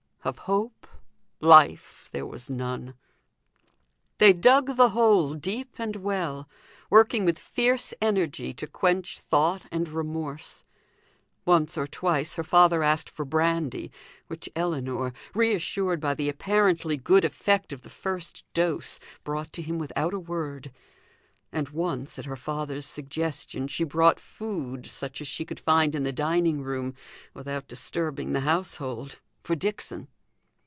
Of hope, life, there was none. They dug the hole deep and well; working with fierce energy to quench thought and remorse. Once or twice her father asked for brandy, which Ellinor, reassured by the apparently good effect of the first dose, brought to him without a word; and once at her father's suggestion she brought food, such as she could find in the dining room without disturbing the household, for Dixon.